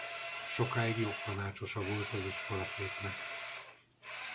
Sokáig jogtanácsosa volt az iskolaszéknek.